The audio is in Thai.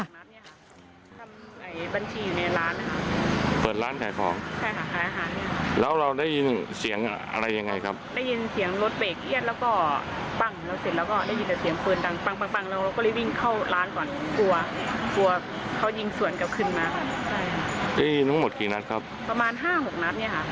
วิ่งหนีตายเข้าไปหลบในร้านกลัวโดน๕๖นัดคั่วค่ะคั่วปืน